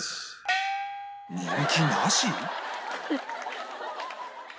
「人気なし」？